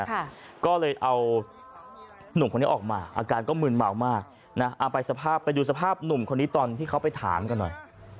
ค่ะก็เลยเอาหนุ่มคนนี้ออกมาอาการก็มืนเมามากนะเอาไปสภาพไปดูสภาพหนุ่มคนนี้ตอนที่เขาไปถามกันหน่อย